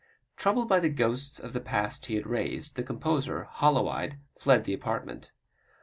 Troubled by the ghosts of the past he had raised, the composer, hollow eyed, fled the apartment.